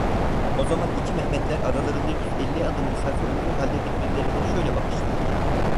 O zaman iki Mehmetler, aralarında yüz elli adım mesafe olduğu halde, birbirlerine şöyle bakıştılar.